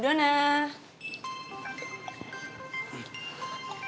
wah tuh kan dia yang nelfon